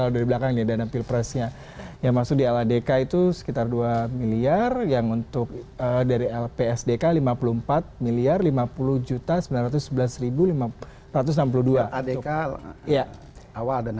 tadi saya koreksi juga tidak ada sekarang tgip perusahaan